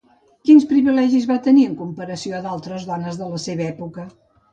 Quins privilegis va tenir en comparació a altres dones de la seva època?